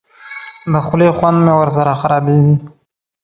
د خولې خوند مې ورسره خرابېږي.